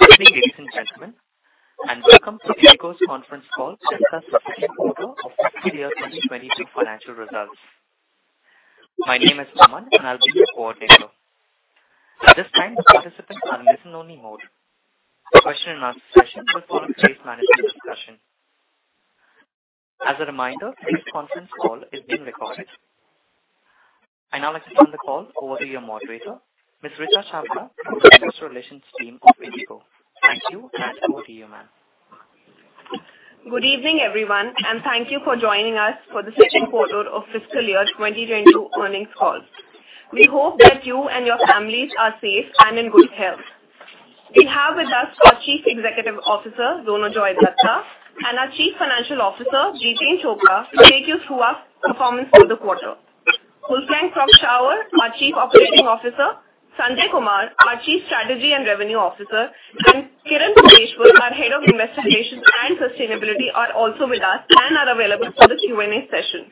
Good evening, ladies and gentlemen, and welcome to IndiGo's Conference Call on our Q2 of fiscal year 2022 financial results. My name is Aman, and I'll be your coordinator. At this time, the participants are in listen-only mode. The question and answer session will follow today's management discussion. As a reminder, this Conference Call is being recorded. I'd now like to turn the call over to your moderator, Ms. Richa Chhabra, Investor Relations team of IndiGo. Thank you, and over to you, ma'am. Good evening, everyone, and thank you for joining us for the Q2 of fiscal year 2022 Earnings Call. We hope that you and your families are safe and in good health. We have with us our Chief Executive Officer, Ronojoy Dutta, and our Chief Financial Officer, Jiten Chopra, to take you through our performance for the quarter. Wolfgang Prock-Schauer, our Chief Operating Officer, Sanjay Kumar, our Chief Strategy and Revenue Officer, and Kiran Koteshwar, our Head of Investment and Sustainability, are also with us and are available for the Q&A session.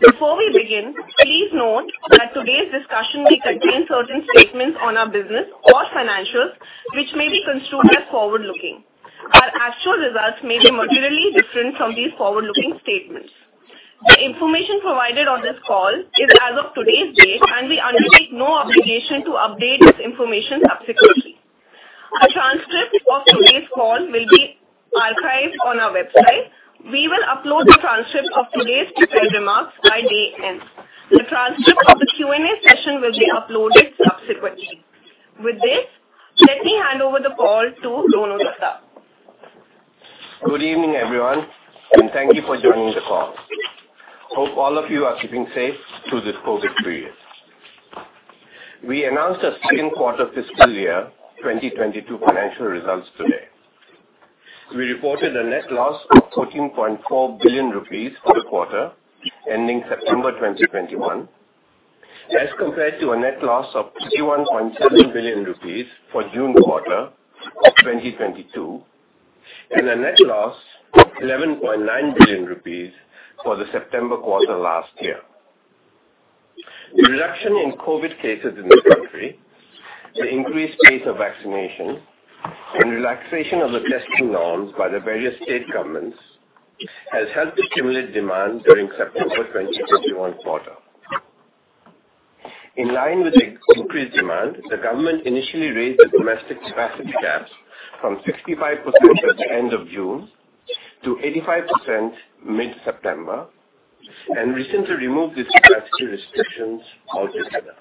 Before we begin, please note that today's discussion may contain certain statements on our business or financials which may be construed as forward-looking. Our actual results may be materially different from these forward-looking statements. The information provided on this call is as of today's date, and we undertake no obligation to update this information subsequently. A transcript of today's call will be archived on our website. We will upload the transcript of today's prepared remarks by day end. The transcript of the Q&A session will be uploaded subsequently. With this, let me hand over the call to Rono Dutta. Good evening, everyone, and thank you for joining the call. Hope all of you are keeping safe through this COVID period. We announced our Q2 FY 2022 financial results today. We reported a net loss of 14.4 billion rupees for the quarter ending September 2021, as compared to a net loss of 21.7 billion rupees for June quarter of 2021, and a net loss 11.9 billion rupees for the September quarter last year. The reduction in COVID cases in the country, the increased pace of vaccination, and relaxation of the testing norms by the various state governments has helped to stimulate demand during September 2021 quarter. In line with the increased demand, the government initially raised the domestic capacity caps from 65% at the end of June to 85% mid-September, and recently removed these capacity restrictions altogether.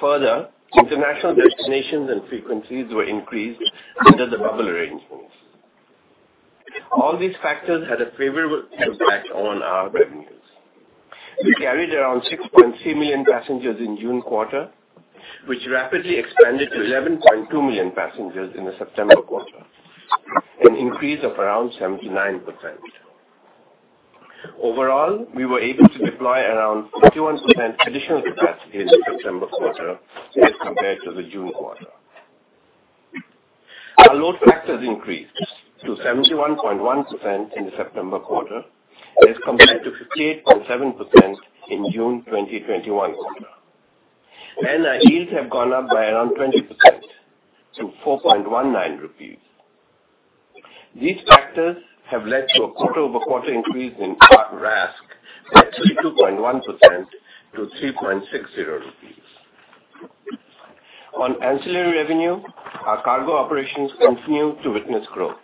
Further, international destinations and frequencies were increased under the bubble arrangements. All these factors had a favorable impact on our revenues. We carried around 6.3 million passengers in June quarter, which rapidly expanded to 11.2 million passengers in the September quarter, an increase of around 79%. Overall, we were able to deploy around 51% additional capacity in the September quarter as compared to the June quarter. Our load factors increased to 71.1% in the September quarter as compared to 58.7% in June 2021 quarter. Our yields have gone up by around 20% to 4.19 rupees. These factors have led to a quarter-over-quarter increase in CAR-RASK by 2.1% to 3.60 rupees. On ancillary revenue, our cargo operations continue to witness growth.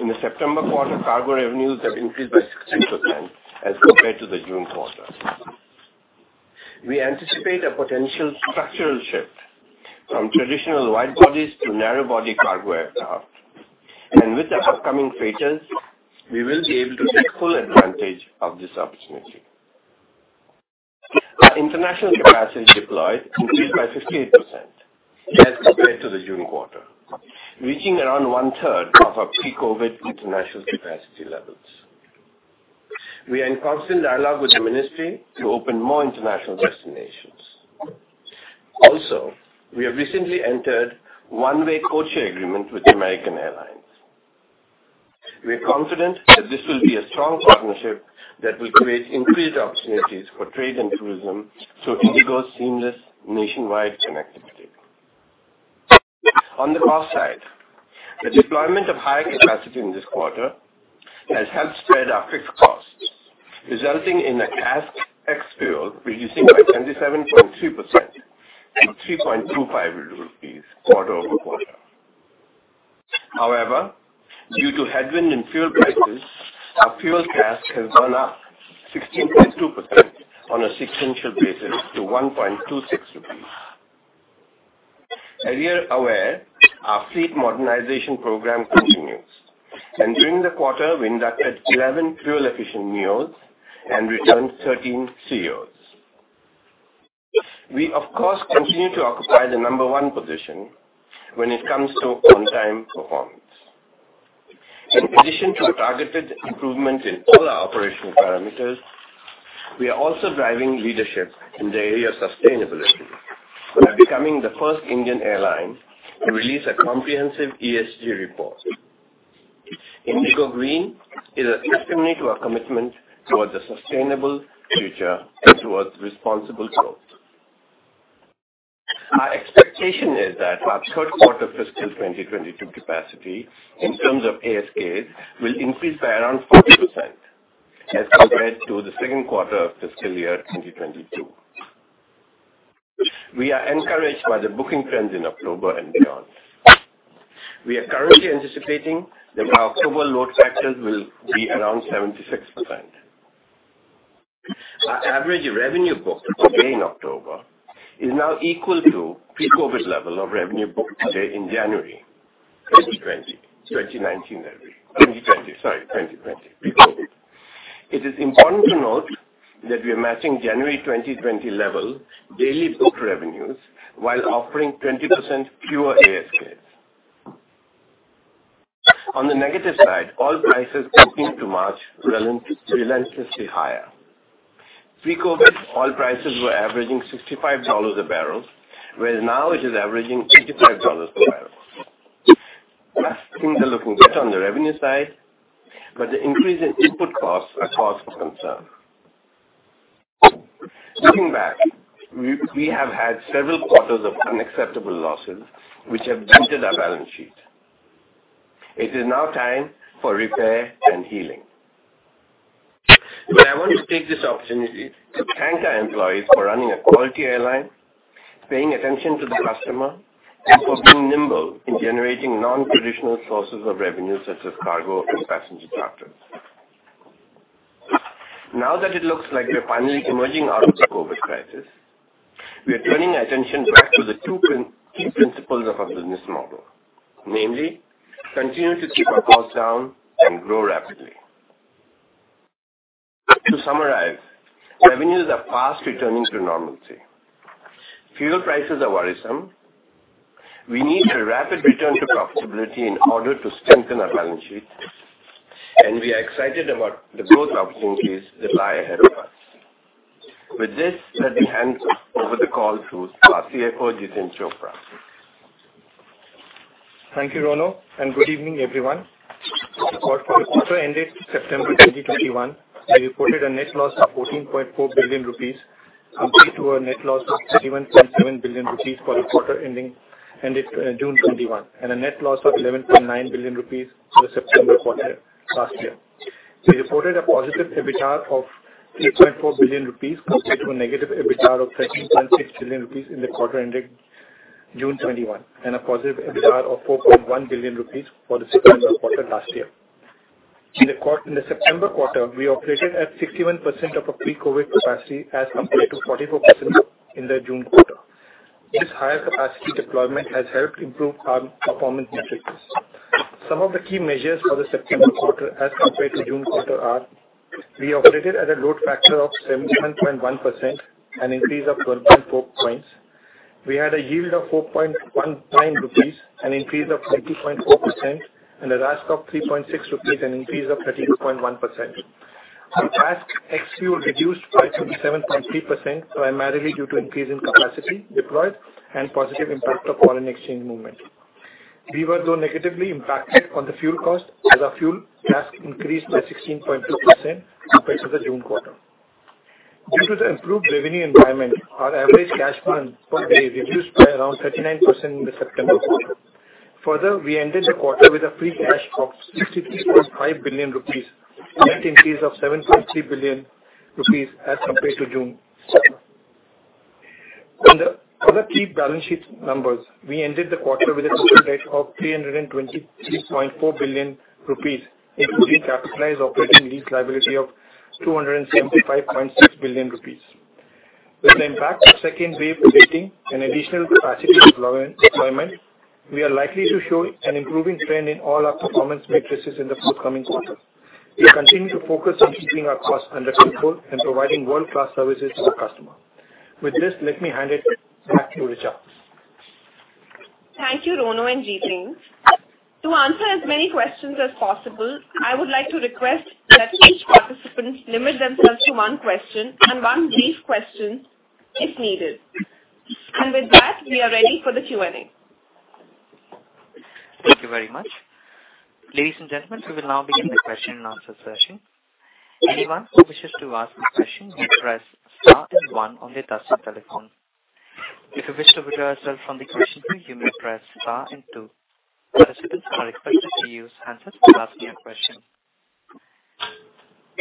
In the September quarter, cargo revenues have increased by 60% as compared to the June quarter. We anticipate a potential structural shift from traditional wide-bodies to narrow-body cargo aircraft. With the upcoming freighters, we will be able to take full advantage of this opportunity. Our international capacity deployed increased by 58% as compared to the June quarter, reaching around 1/3 of our pre-COVID international capacity levels. We are in constant dialogue with the Ministry to open more international destinations. Also, we have recently entered one-way codeshare agreement with American Airlines. We are confident that this will be a strong partnership that will create increased opportunities for trade and tourism through IndiGo's seamless nationwide connectivity. On the cost side, the deployment of higher capacity in this quarter has helped spread our fixed costs, resulting in the CASK ex-fuel reducing by 27.2% to INR 3.25 quarter-over-quarter. However, due to headwind in fuel prices, our fuel CASK has gone up 16.2% on a sequential basis to 1.26 rupees. As you are aware, our fleet modernization program continues. During the quarter, we inducted 11 fuel-efficient neos and returned 13 ceos. We of course continue to occupy the number one position when it comes to on-time performance. In addition to the targeted improvement in all our operational parameters, we are also driving leadership in the area of sustainability by becoming the first Indian airline to release a comprehensive ESG report. IndiGoGreen is a testimony to our commitment towards a sustainable future and towards responsible growth. Our expectation is that our Q3 fiscal 2022 capacity in terms of ASKs will increase by around 40% as compared to the Q2 of fiscal year 2022. We are encouraged by the booking trends in October and beyond. We are currently anticipating that our October load factors will be around 76%. Our average revenue booked to date in October is now equal to pre-COVID level of revenue booked to date in January 2020. I mean. Sorry. Pre-COVID. It is important to note that we are matching January 2020 level daily booked revenues while offering 20% fewer ASKs. On the negative side, oil prices continue to march relentlessly higher. Pre-COVID, oil prices were averaging $65 a barrel, whereas now it is averaging $85 a barrel. Things are looking good on the revenue side, but the increase in input costs are cause for concern. Looking back, we have had several quarters of unacceptable losses which have dented our balance sheet. It is now time for repair and healing. I want to take this opportunity to thank our employees for running a quality airline, paying attention to the customer, and for being nimble in generating non-traditional sources of revenue such as cargo and passenger charters. Now that it looks like we are finally emerging out of the COVID crisis, we are turning our attention back to the two principal principles of our business model. Namely, continue to keep our costs down and grow rapidly. To summarize, revenues are fast returning to normalcy. Fuel prices are worrisome. We need a rapid return to profitability in order to strengthen our balance sheet, and we are excited about the growth opportunities that lie ahead of us. With this, let me hand over the call to our CFO, Jiten Chopra. Thank you, Rono Dutta, and good evening, everyone. For the quarter ended September 2021, we reported a net loss of 14.4 billion rupees compared to a net loss of 31.7 billion rupees for the quarter ended June 2021, and a net loss of 11.9 billion rupees for the September quarter last year. We reported a positive EBITDA of 8.4 billion rupees compared to a negative EBITDA of 13.6 billion rupees in the quarter ending June 2021, and a positive EBITDA of 4.1 billion rupees for the September quarter last year. In the September quarter, we operated at 61% of our pre-COVID capacity as compared to 44% in the June quarter. This higher capacity deployment has helped improve our performance metrics. Some of the key measures for the September quarter as compared to June quarter are. We operated at a load factor of 71.1%, an increase of 12.4 points. We had a yield of 4.19 rupees, an increase of 20.4%, and a RASK of 3.6 rupees, an increase of 13.1%. Our CASM ex-fuel reduced by 27.3%, primarily due to increase in capacity deployed and positive impact of foreign exchange movement. We were, though, negatively impacted on the fuel cost as our fuel CASK increased by 16.2% compared to the June quarter. Due to the improved revenue environment, our average cash burn per day reduced by around 39% in the September quarter. Further, we ended the quarter with a free cash of 63.5 billion rupees, a net increase of 7.3 billion rupees as compared to June quarter. On the other key balance sheet numbers, we ended the quarter with a total debt of 323.4 billion rupees, including capitalized operating lease liability of 275.6 billion rupees. With the impact of second wave abating and additional capacity deployment, we are likely to show an improving trend in all our performance metrics in the forthcoming quarter. We continue to focus on keeping our costs under control and providing world-class services to the customer. With this, let me hand it back to Richa. Thank you, Rono and Jiten. To answer as many questions as possible, I would like to request that each participant limit themselves to one question and one brief question if needed. With that, we are ready for the Q&A. Thank you very much. Ladies and gentlemen, we will now begin the question and answer session. Anyone who wishes to ask a question can press star and one on their touchtone telephone. If you wish to withdraw yourself from the question queue, you may press star and two. Participants are expected to use hands-up when asking a question.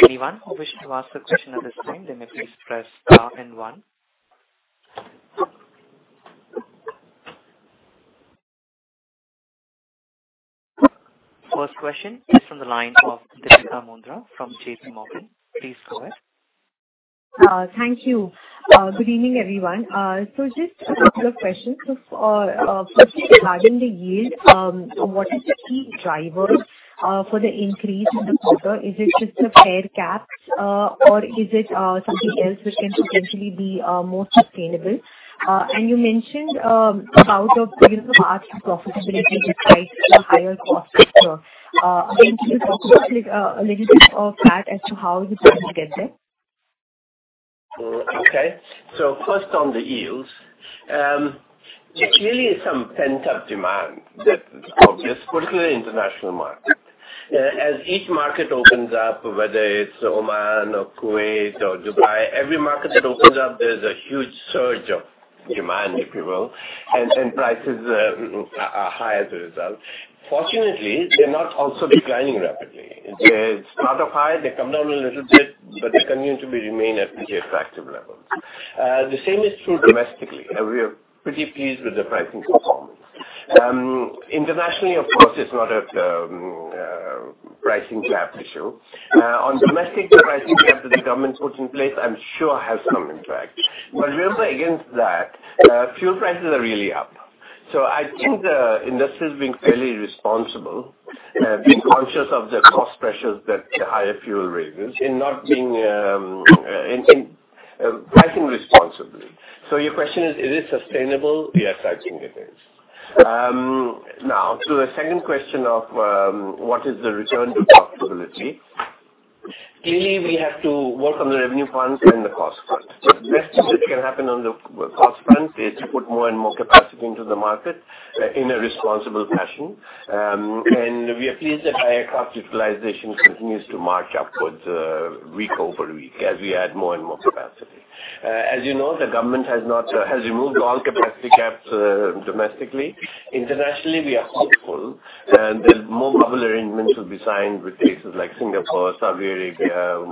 Anyone who wishes to ask a question at this time, they may please press star and one. First question is from the line of Deepika Mundra from JP Morgan. Please go ahead. Thank you. Good evening, everyone. Just a couple of questions. For firstly, regarding the yield, what is the key driver for the increase in the quarter? Is it just the fare caps, or is it something else which can potentially be more sustainable? You mentioned about a, you know, path to profitability despite the higher costs as well. Can you just talk about like a little bit of that as to how the company will get there? Okay. First on the yields, it's really some pent-up demand that is obvious, particularly international market. As each market opens up, whether it's Oman or Kuwait or Dubai, every market that opens up, there's a huge surge of demand, if you will, and prices are high as a result. Fortunately, they're not also declining rapidly. They start off high, they come down a little bit, but they continue to be remain at pretty attractive levels. The same is true domestically. We are pretty pleased with the pricing performance. Internationally, of course, it's not a pricing gap issue. On domestic, the pricing gap that the government put in place, I'm sure has some impact. Remember against that, fuel prices are really up. I think the industry's being fairly responsible, being conscious of the cost pressures that the higher fuel prices raise and not being irresponsible in pricing. Your question is it sustainable? Yes, I think it is. Now to the second question of what is the return to profitability. Clearly, we have to work on the revenue front and the cost front. Best thing that can happen on the cost front is to put more and more capacity into the market, in a responsible fashion. We are pleased that aircraft utilization continues to march upwards, week over week as we add more and more capacity. As you know, the government has removed all capacity caps, domestically. Internationally, we are hopeful that more bubble arrangements will be signed with places like Singapore, Saudi Arabia,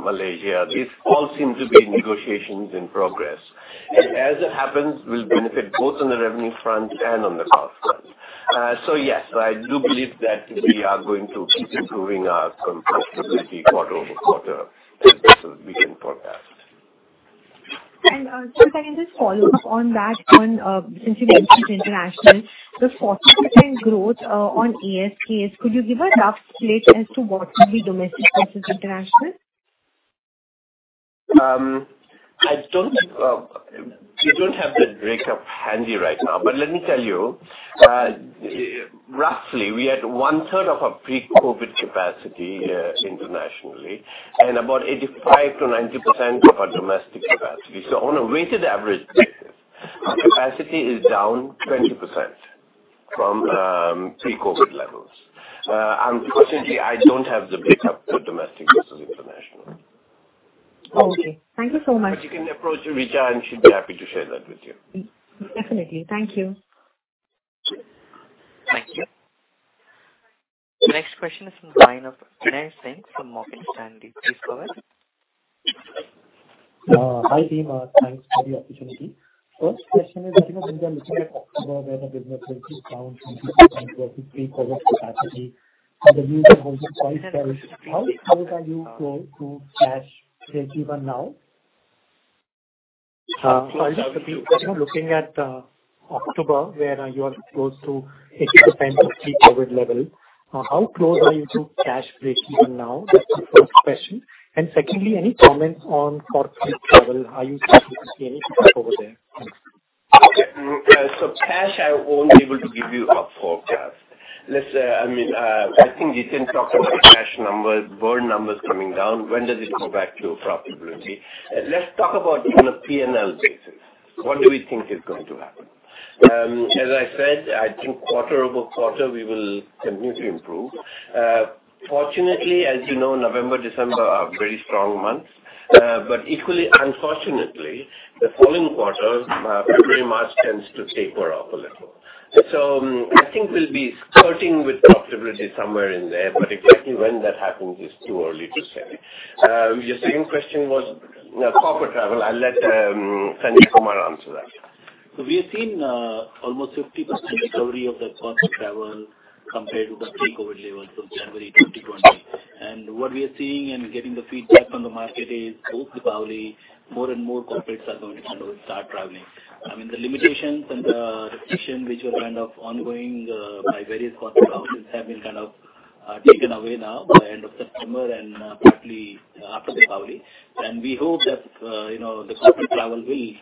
Malaysia. These all seem to be negotiations in progress. As it happens, we'll benefit both on the revenue front and on the cost front. Yes, I do believe that we are going to keep improving our profitability quarter over quarter as this will be in forecast. Sir, if I can just follow-up on that, since you mentioned international, the 40% growth on ASKs, could you give a rough split as to what would be domestic versus international? We don't have the breakup handy right now. Let me tell you, roughly, we had 1/3 of our pre-COVID capacity, internationally, and about 85%-90% of our domestic capacity. On a weighted average basis, our capacity is down 20% from pre-COVID levels. Unfortunately, I don't have the breakup for domestic versus international. Okay. Thank you so much. You can approach Richa, and she'd be happy to share that with you. Definitely. Thank you. Thank you. Next question is from the line of Binay Singh from Morgan Stanley. Please go ahead. Hi, team. Thanks for the opportunity. First question is, you know, when we are looking at October, where the business will be down 20% versus pre-COVID capacity and the view that you hold your point there, how close are you to cash breakeven now? Just to be you know, looking at October, where you are close to 80% of pre-COVID level, how close are you to cash breakeven now? That's the first question. Secondly, any comments on corporate travel? Are you starting to see any pickup over there? Yeah. Cash, I won't be able to give you a forecast. Let's, I mean, I think we can talk about the cash numbers, burn numbers coming down. When does it go back to profitability? Let's talk about it on a P&L basis. What do we think is going to happen? As I said, I think quarter-over-quarter, we will continue to improve. Fortunately, as you know, November, December are very strong months. Equally unfortunately, the following quarters, pretty much tends to taper off a little. I think we'll be skirting with profitability somewhere in there. Exactly when that happens is too early to say. Your second question was corporate travel. I'll let Sanjay Kumar answer that. We have seen almost 50% recovery of the corporate travel compared to the pre-COVID levels of January 2020. What we are seeing and getting the feedback from the market is post-Diwali, more and more corporates are going to kind of start traveling. I mean, the limitations and restrictions which were kind of ongoing by various corporate houses have been kind of taken away now by end of September and partly after Diwali. We hope that you know, the corporate travel will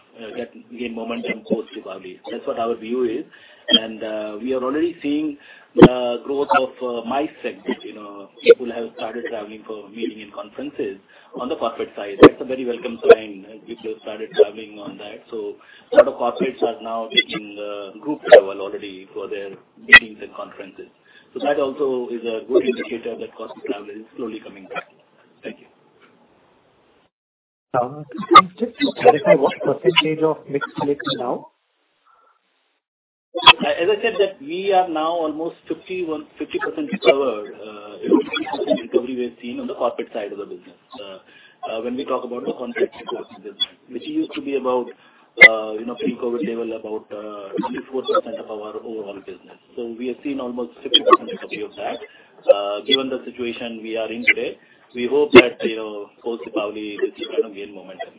gain momentum post-Diwali. That's what our view is. We are already seeing growth of MICE segment. You know, people have started traveling for meetings and conferences on the corporate side. That's a very welcome sign. People have started traveling on that. Lot of corporates are now taking group travel already for their meetings and conferences. That also is a good indicator that corporate travel is slowly coming back. Thank you. Just to clarify, what percentage of mix is mix now? As I said that we are now almost 50% recovered in terms of the recovery we're seeing on the corporate side of the business. When we talk about the conference business, which used to be about, you know, pre-COVID level, about 24% of our overall business. We have seen almost 50% recovery of that. Given the situation we are in today, we hope that, you know, post-Diwali, we'll kind of gain momentum.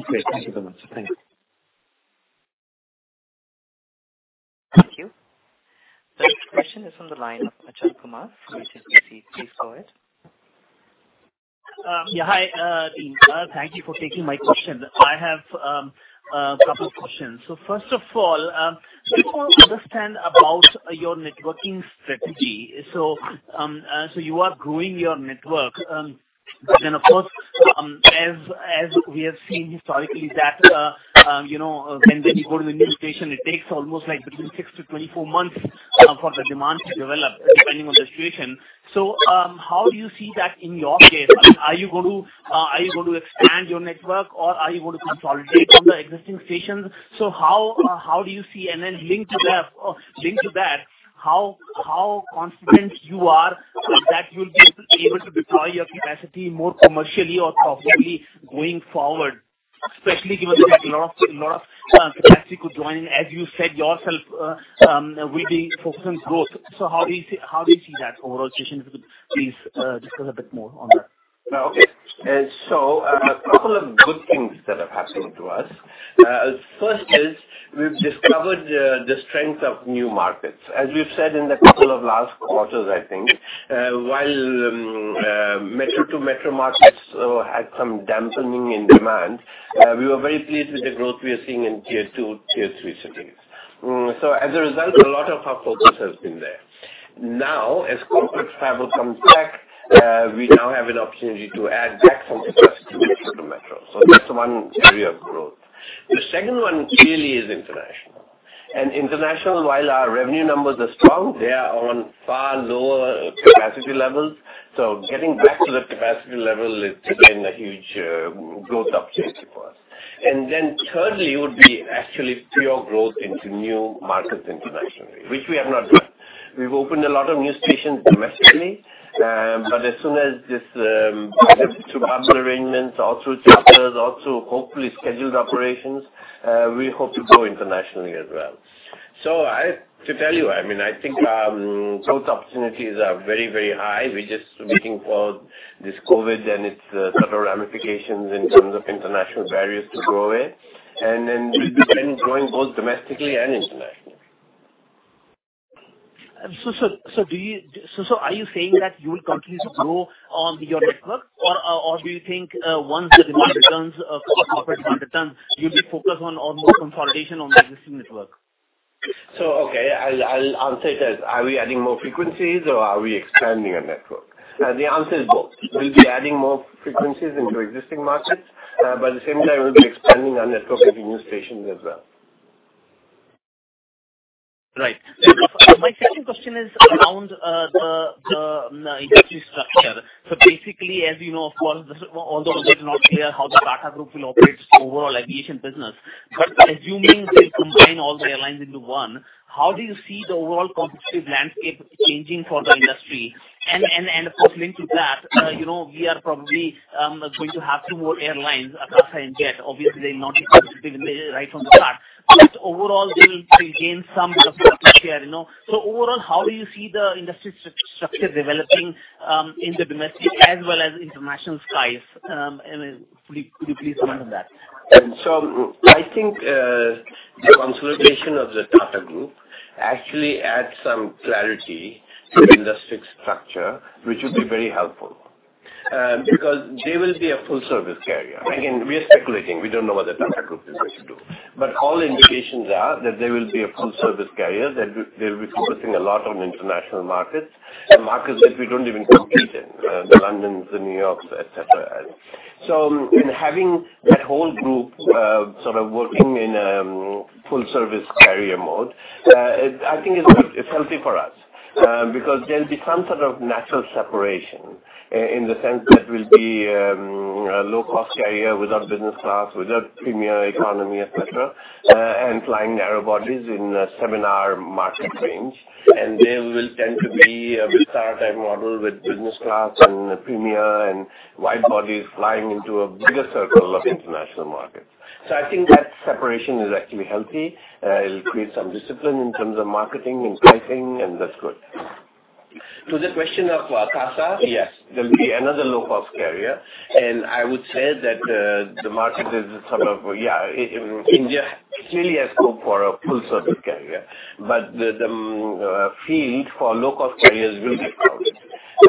Okay. Thank you very much. Thank you. Thank you. The next question is on the line of Achal Kumar from ICICI. Please go ahead. Yeah. Hi, team. Thank you for taking my question. I have a couple questions. First of all, we want to understand about your network strategy. You are growing your network. But then, of course, as we have seen historically that you know when you go to a new station, it takes almost like between 6-24 months for the demand to develop depending on the situation. How do you see that in your case? Are you going to expand your network or are you going to consolidate on the existing stations? How do you see and then linked to that, how confident you are that you'll be able to deploy your capacity more commercially or profitably going forward, especially given that a lot of capacity could join in. As you said yourself, we've been focusing growth. How do you see that overall, Shishir, if you could please, discuss a bit more on that? No. Okay, a couple of good things that are happening to us. First, we've discovered the strength of new markets. As we've said in the couple of last quarters, I think, while metro to metro markets had some dampening in demand, we were very pleased with the growth we are seeing in tier 2, tier 3 cities. As a result, a lot of our focus has been there. Now, as corporate travel comes back, we now have an opportunity to add back some capacity metro to metro. That's one area of growth. The second one clearly is international. International, while our revenue numbers are strong, they are on far lower capacity levels. Getting back to that capacity level is, again, a huge growth opportunity for us. Thirdly would be actually pure growth into new markets internationally, which we have not done. We've opened a lot of new stations domestically, but as soon as this, through hub arrangements or through charters or through hopefully scheduled operations, we hope to grow internationally as well. To tell you, I mean, I think, growth opportunities are very, very high. We're just waiting for this COVID and its, sort of ramifications in terms of international barriers to go away. We'll be then growing both domestically and internationally. Are you saying that you will continue to grow on your network or do you think once the demand returns, corporate demand returns, you'll be focused on more consolidation on the existing network? Okay, I'll answer it as are we adding more frequencies or are we expanding our network? The answer is both. We'll be adding more frequencies into existing markets, but at the same time we'll be expanding our network with new stations as well. Right. My second question is around the industry structure. Basically, as you know, of course, all the world is not clear how the Tata Group will operate its overall aviation business. Assuming they combine all the airlines into one, how do you see the overall competitive landscape changing for the industry? Of course linked to that, you know, we are probably going to have two more airlines, Akasa and Jet. Obviously they're not competitive right from the start, but overall they will regain some market share, you know. Overall, how do you see the industry structure developing in the domestic as well as international skies? And could you please comment on that? I think the consolidation of the Tata Group actually adds some clarity to the industry structure, which would be very helpful. Because they will be a full service carrier. Again, we are speculating. We don't know what the Tata Group is going to do. All indications are that they will be a full service carrier, that they'll be focusing a lot on international markets which we don't even compete in, the Londons, the New Yorks, et cetera. In having that whole group sort of working in a full service carrier mode, I think it's good. It's healthy for us, because there'll be some sort of natural separation in the sense that we'll be a low-cost carrier without business class, without premier economy, et cetera, and flying narrow bodies in a similar market range. They will tend to be a Vistara type model with business class and premier and wide bodies flying into a bigger circle of international markets. I think that separation is actually healthy. It'll create some discipline in terms of marketing and pricing, and that's good. To the question of Akasa, yes, there'll be another low-cost carrier. I would say that the market is India clearly has scope for a full service carrier. The field for low-cost carriers will get crowded.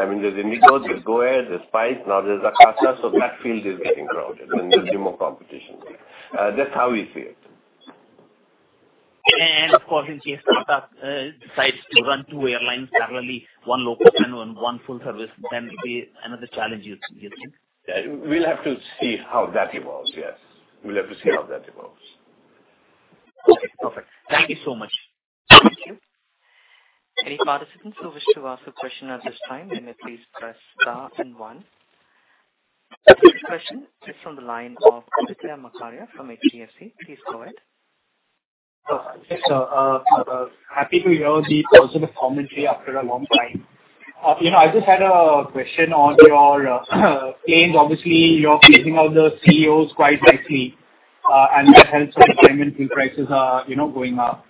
I mean, there's IndiGo, there's GoAir, there's Spice, now there's Akasa. That field is getting crowded and there'll be more competition there. That's how we see it. Of course, if Tata decides to run two airlines separately, one low-cost and one full service, then it'll be another challenge, you think? Yeah. We'll have to see how that evolves. Okay. Perfect. Thank you so much. Thank you. Any participants who wish to ask a question at this time may please press star then one. Our first question is from the line of Rithika Makaria from HDFC. Please go ahead. Yes, sir. Happy to hear the positive commentary after a long time. You know, I just had a question on your gains. Obviously, you're phasing out the ceos quite nicely, and that helps your environment when prices are, you know, going up.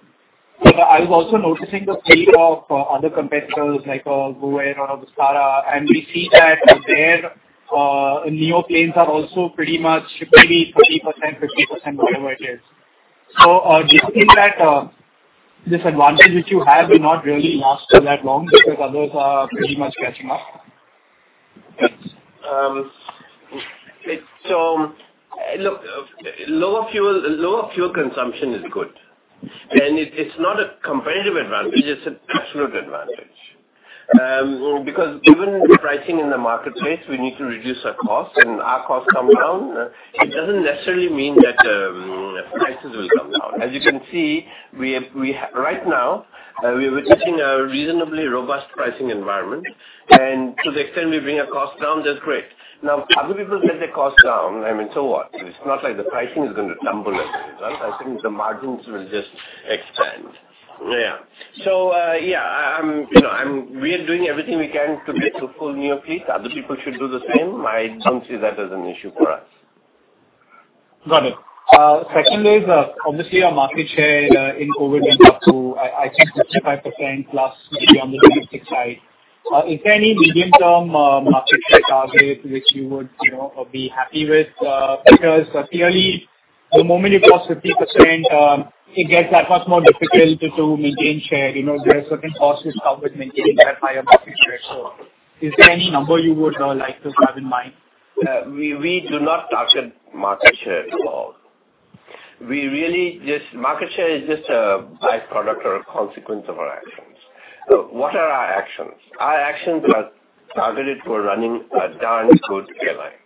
I was also noticing the fleet of other competitors like GoAir or Vistara, and we see that their neos are also pretty much maybe 30%, 50%, whatever it is. Do you think that this advantage which you have will not really last for that long because others are pretty much catching up? Yes. It's so, look, lower fuel consumption is good. It's not a competitive advantage, it's an absolute advantage. Because given the pricing in the marketplace, we need to reduce our costs and our costs come down. It doesn't necessarily mean that prices will come down. As you can see, right now we are witnessing a reasonably robust pricing environment. To the extent we bring our costs down, that's great. Now, other people get their costs down, I mean, so what? It's not like the pricing is gonna tumble as a result. I think the margins will just expand. Yeah. You know, we are doing everything we can to be fruitful near peak. Other people should do the same. I don't see that as an issue for us. Got it. Secondly is obviously our market share in COVID went up to, I think 65% plus, especially on the domestic side. Is there any medium-term market share target which you would, you know, be happy with? Because clearly the moment you cross 50%, it gets that much more difficult to maintain share. You know, there are certain costs involved with maintaining that higher market share. Is there any number you would like to have in mind? We do not target market share at all. We really just market share is just a byproduct or a consequence of our actions. What are our actions? Our actions are targeted for running a darn good airline.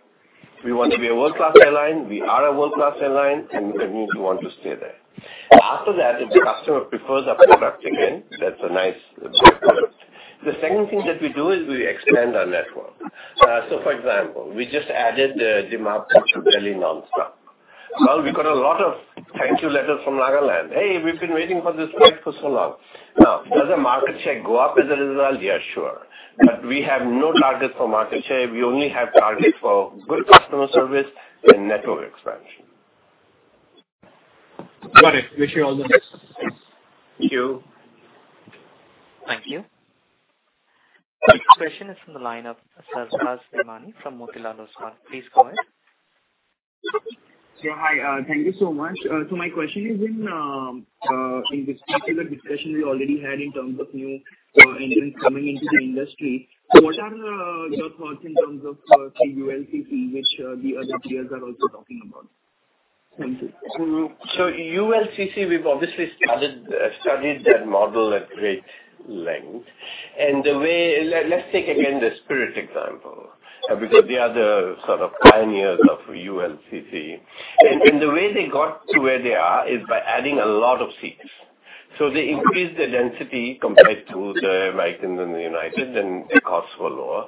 We want to be a world-class airline. We are a world-class airline, and we want to stay there. After that, if the customer prefers our product, again, that's a nice byproduct. The second thing that we do is we expand our network. For example, we just added Dimapur to Delhi non-stop. Now, we got a lot of thank you letters from Nagaland. "Hey, we've been waiting for this flight for so long." Now, does the market share go up as a result? Yeah, sure. But we have no target for market share. We only have target for good customer service and network expansion. Got it. Wish you all the best. Thank you. Thank you. Next question is from the line of Sazid Irani from Motilal Oswal. Please go ahead. Sir, hi. Thank you so much. My question is in this particular discussion you already had in terms of new entrants coming into the industry, so what are your thoughts in terms of the ULCC, which the other peers are also talking about? Thank you. ULCC, we've obviously studied that model at great length. Let's take again the Spirit example, because they are the sort of pioneers of ULCC. The way they got to where they are is by adding a lot of seats. They increased their density compared to the American and the United, and the costs were lower.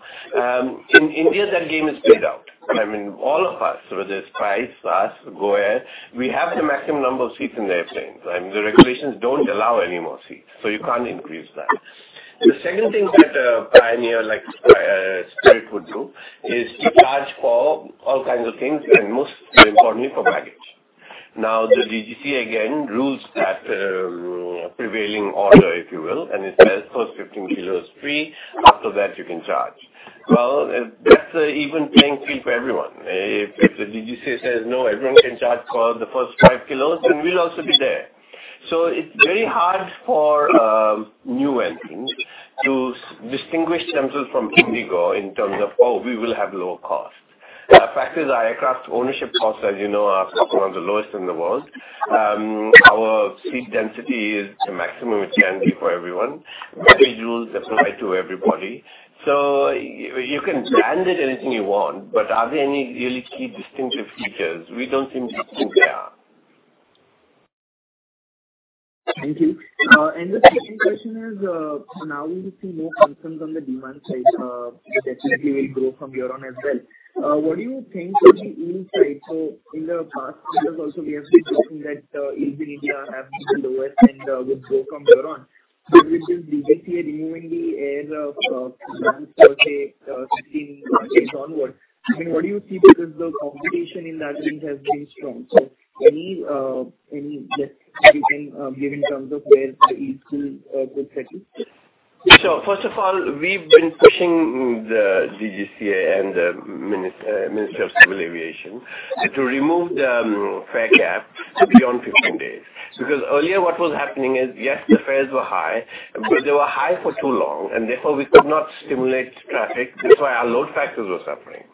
In India, that game is played out. I mean, all of us, whether it's SpiceJet, us, Go First, we have the maximum number of seats in the airplane. I mean, the regulations don't allow any more seats, so you can't increase that. The second thing that a pioneer like Spirit would do is to charge for all kinds of things, and most importantly for baggage. Now, the DGCA again rules that prevailing order, if you will, and it says first 15 kilos free, after that you can charge. Well, that's an even playing field for everyone. If the DGCA says, "No, everyone can charge for the first 5 kilos," then we'll also be there. It's very hard for new entrants to distinguish themselves from IndiGo in terms of, "Oh, we will have lower costs." The fact is our aircraft ownership costs, as you know, are some of the lowest in the world. Our seat density is the maximum it can be for everyone. Baggage rules apply to everybody. You can brand it anything you want, but are there any really key distinctive features? We don't think there are. Thank you. The second question is, now we see more concerns on the demand side, which definitely will grow year-over-year as well. What do you think will be in sight? In the past years also we have been talking that, Air India have been the lowest and will grow year-over-year. With this DGCA removing the 5/20, let's say, 15 days onward, I mean, what do you see because the competition in that range has been strong? Any guess you can give in terms of where the yields could settle? First of all, we've been pushing the DGCA and the Ministry of Civil Aviation to remove the fare cap to beyond 15 days. Because earlier what was happening is, yes, the fares were high, but they were high for too long and therefore we could not stimulate traffic. That's why our load factors were suffering.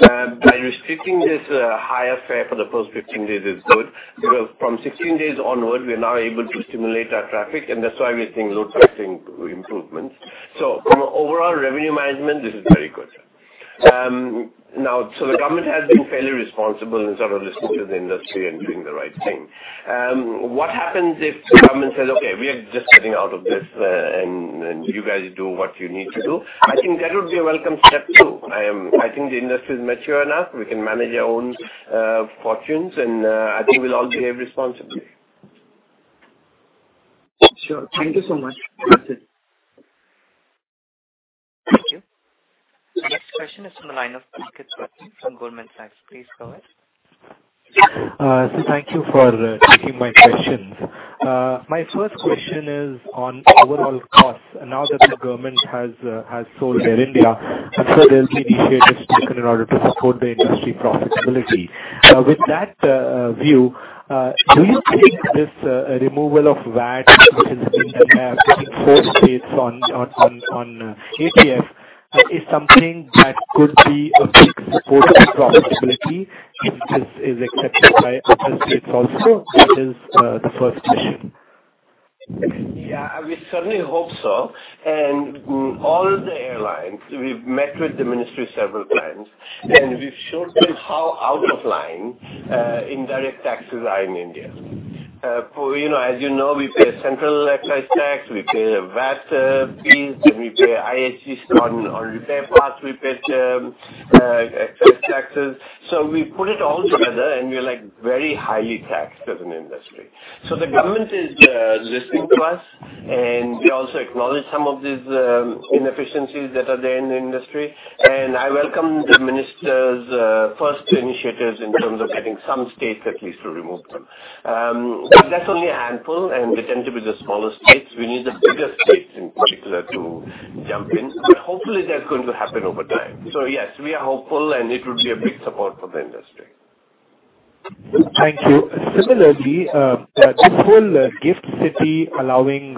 By restricting this higher fare for the first 15 days is good, because from 16 days onward, we are now able to stimulate our traffic and that's why we're seeing load pricing improvements. From an overall revenue management, this is very good. Now, the government has been fairly responsible in sort of listening to the industry and doing the right thing. What happens if the government says, "Okay, we are just getting out of this, and you guys do what you need to do"? I think that would be a welcome step, too. I think the industry is mature enough. We can manage our own fortunes and I think we'll all behave responsibly. Sure. Thank you so much. That's it. Thank you. The next question is from the line of Prakrit Vats from Goldman Sachs. Please go ahead. Sir, thank you for taking my questions. My first question is on overall costs. Now that the government has sold Air India, I'm sure there'll be initiatives taken in order to support the industry profitability. With that view, do you think this removal of VAT which has been imposed in four states on ATF is something that could be a big support of profitability if this is accepted by other states also? That is the first question. Yeah, we certainly hope so. All the airlines, we've met with the ministry several times, and we've showed them how out of line indirect taxes are in India. As you know, we pay a central excise tax, we pay a VAT, fees, we pay IGST on repair parts, we pay excise taxes. We put it all together, and we're, like, very highly taxed as an industry. The government is listening to us, and we also acknowledge some of these inefficiencies that are there in the industry. I welcome the minister's first initiatives in terms of getting some states at least to remove them. That's only a handful, and they tend to be the smaller states. We need the bigger states in particular to jump in. Hopefully that's going to happen over time. Yes, we are hopeful, and it would be a big support for the industry. Thank you. Similarly, this whole GIFT City allowing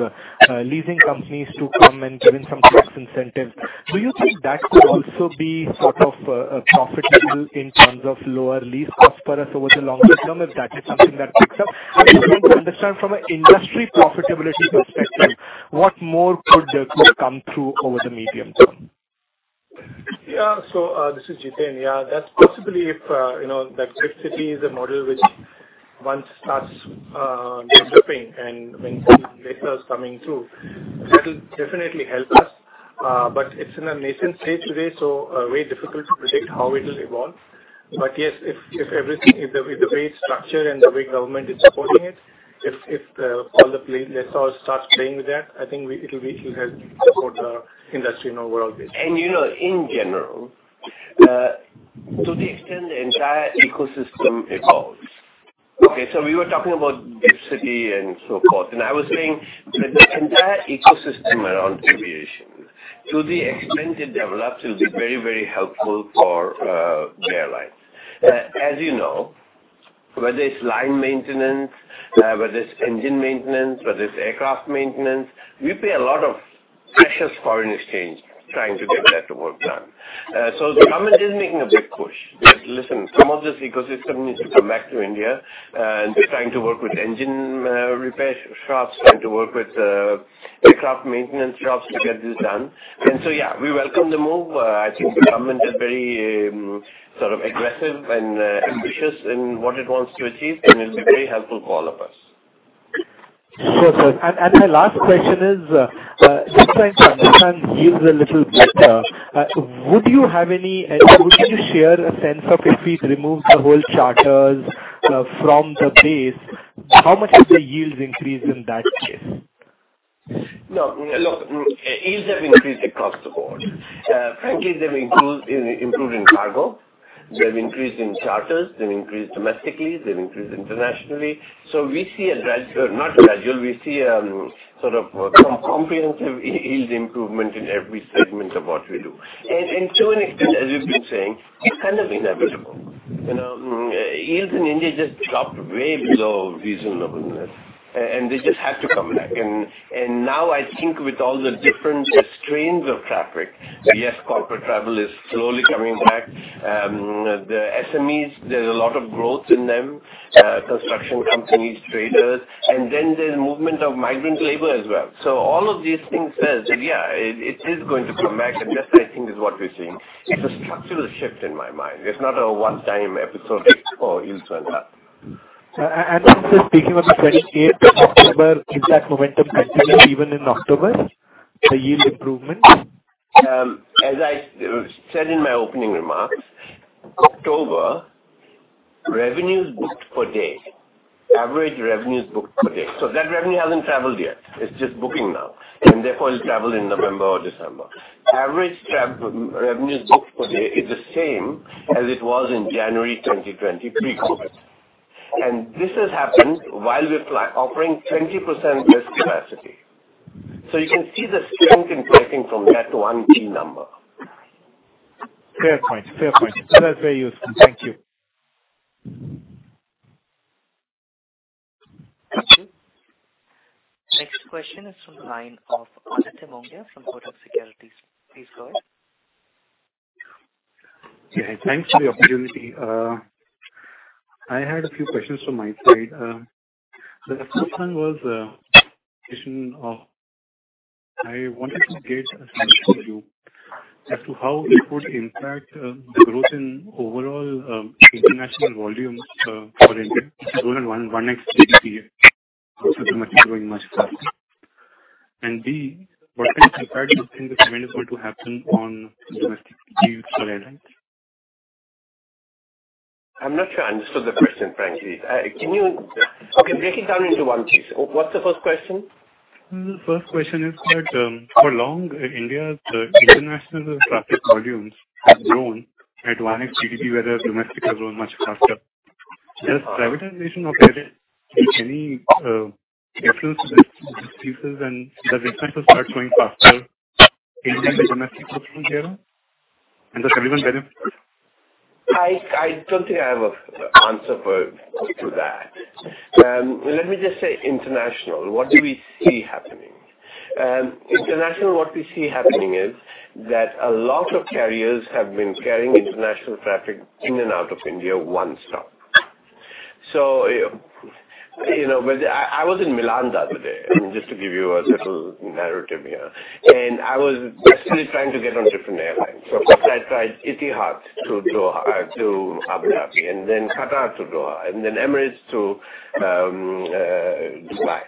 leasing companies to come and given some tax incentives, do you think that could also be sort of profitable in terms of lower lease cost for us over the long-term if that is something that picks up? I'm just trying to understand from an industry profitability perspective, what more could there come through over the medium term? This is Jiten. Yeah, that's possibly if, you know, the GIFT City is a model which once starts developing and when some data is coming through, that'll definitely help us. But it's in a nascent state today, so very difficult to predict how it will evolve. But yes, if everything, if the way it's structured and the way government is supporting it, if all the players start playing with that, I think it'll help support our industry on an overall basis. You know, in general, to the extent the entire ecosystem evolves. We were talking about GIFT City and so forth, and I was saying that the entire ecosystem around aviation, to the extent it develops, will be very, very helpful for the airlines. As you know, whether it's line maintenance, whether it's engine maintenance, whether it's aircraft maintenance, we pay a lot of precious foreign exchange trying to get that work done. The government is making a big push. Listen, some of this ecosystem needs to come back to India, and trying to work with engine repair shops, trying to work with aircraft maintenance shops to get this done. Yeah, we welcome the move. I think the government is very sort of aggressive and ambitious in what it wants to achieve, and it's very helpful for all of us. Sure, sir. My last question is just trying to understand yields a little bit. Would you share a sense of if we'd removed the whole charters from the base, how much would the yields increase in that case? No. Look, yields have increased across the board. Frankly, they've improved in cargo. They've increased in charters, they've increased domestically, they've increased internationally. We see a gradual. Not gradual. We see sort of a comprehensive yield improvement in every segment of what we do. To an extent, as you've been saying, it's kind of inevitable. You know, yields in India just dropped way below reasonableness, and they just had to come back. Now I think with all the different strains of traffic, yes, corporate travel is slowly coming back. The SMEs, there's a lot of growth in them, construction companies, traders, and then there's movement of migrant labor as well. All of these things says, yeah, it is going to come back. That's I think is what we're seeing. It's a structural shift in my mind. It's not a one-time episodic, yields went up. Also speaking of the twenty-eighth of October, did that momentum continue even in October, the yield improvement? As I said in my opening remarks, October revenues booked per day, average revenues booked per day. That revenue hasn't traveled yet. It's just booking now, and therefore will travel in November or December. Average revenues booked per day is the same as it was in January 2020 pre-COVID. This has happened while we're offering 20% less capacity. You can see the strength in booking from that one key number. Fair point. Fair point. That is very useful. Thank you. Thank you. Next question is from the line of Anant Mundra from Kotak Securities. Please go ahead. Yeah. Thanks for the opportunity. I had a few questions from my side. The first one was, I wanted to gauge a sense from you as to how it would impact the growth in overall international volumes for India growing at 1x GDP a year. So it's growing much faster. And B, what kind of impact do you think this amendment is going to have on domestic fees for airlines? I'm not sure I understood the question, frankly. Okay, break it down into one piece. What's the first question? First question is that for long, India's international traffic volumes have grown at 1x GDP, whereas domestic has grown much faster. Does privatization of airlines make any difference to this pieces and does it start growing faster, anything domestic looking here? And the second benefit- I don't think I have an answer for that. Let me just say international, what do we see happening? International, what we see happening is that a lot of carriers have been carrying international traffic in and out of India one-stop. You know, but I was in Milan the other day, just to give you a little narrative here, and I was desperately trying to get on different airlines. First I tried Etihad to Abu Dhabi and then Qatar to Doha and then Emirates to Dubai.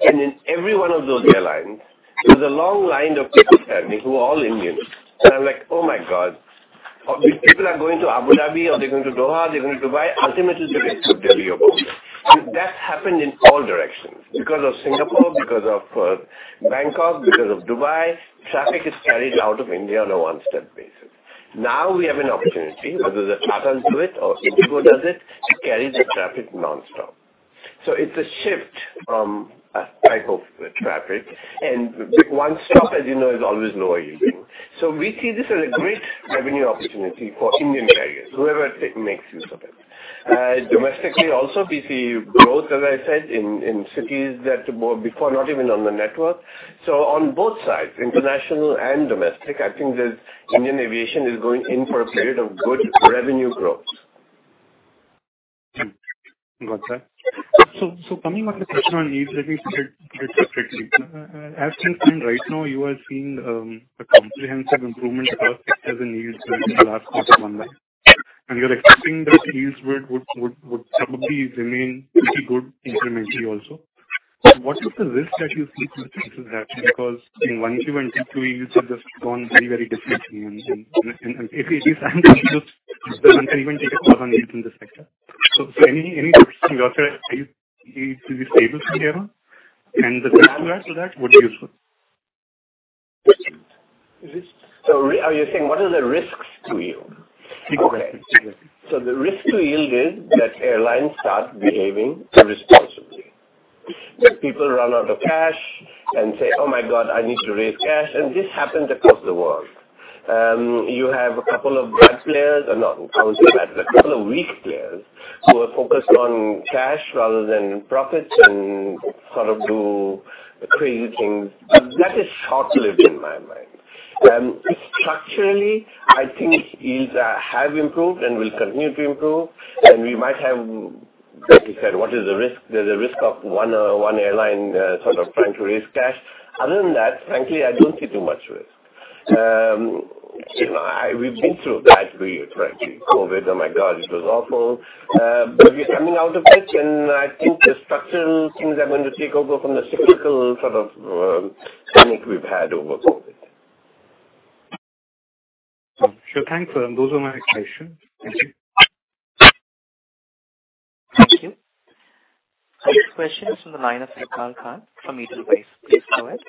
In every one of those airlines, there was a long line of people standing who were all Indians. I'm like, "Oh, my God." These people are going to Abu Dhabi or they're going to Doha, they're going to Dubai, ultimately to get to Delhi or Bombay. That happened in all directions because of Singapore, because of Bangkok, because of Dubai. Traffic is carried out of India on a one-stop basis. Now we have an opportunity, whether Tata do it or IndiGo does it, to carry the traffic non-stop. It's a shift from a type of traffic, and one-stop, as you know, is always lower yield. We see this as a great revenue opportunity for Indian carriers, whoever makes use of it. Domestically also, we see growth, as I said, in cities that were before not even on the network. On both sides, international and domestic, I think the Indian aviation is going in for a period of good revenue growth. Got that. Coming back to the question on yields, let me put it separately. As things stand right now, you are seeing a comprehensive improvement across, as in, yields in the last quarter, one line. You're expecting those yields would probably remain pretty good incrementally also. What is the risk that you see to the thesis actually? Because in 1Q and 2Q yields have just gone very differently. If it is unintentional, then one can even take a call on yields in this sector. Any risks on your side? Yields will be stable from here on? The risk you add to that, what do you assume? Are you saying what are the risks to you? Exactly. Exactly. The risk to yield is that airlines start behaving irresponsibly. That people run out of cash and say, "Oh my God, I need to raise cash." This happens across the world. You have a couple of bad players. Or no, I won't say bad, but a couple of weak players who are focused on cash rather than profits and sort of do crazy things. That is short-lived in my mind. Structurally, I think yields have improved and will continue to improve. We might have. Like you said, what is the risk? There's a risk of one airline sort of trying to raise cash. Other than that, frankly, I don't see too much risk. You know, we've been through a bad three years, right? COVID. Oh, my God, it was awful. We're coming out of it, and I think the structural things are going to take over from the cyclical sort of panic we've had over COVID. Sure. Thanks. Those are my questions. Thank you. Thank you. Next question is from the line of Saqib Khan from Mirae Asset. Please go ahead.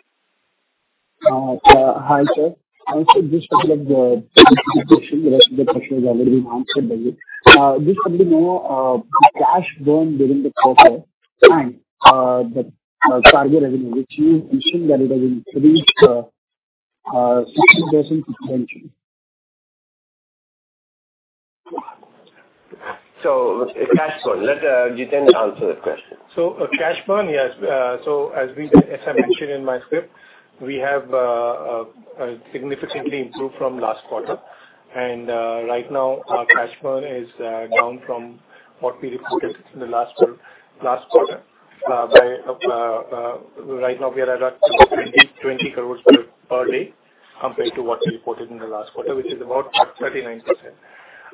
Hi, sir. Also, just a couple of additional questions. The rest of the question has already been answered by you. Just want to know the cash burn during the quarter and the cargo revenue, which you mentioned that it has increased 60% potentially. Cash burn. Let Jiten answer that question. Cash burn, yes. As I mentioned in my script, we have significantly improved from last quarter. Right now our cash burn is down from what we reported in the last quarter by about 39%. Right now we are at 20 crore per day compared to what we reported in the last quarter.